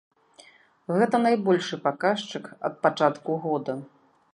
Гэта найбольшы паказчык ад пачатку года.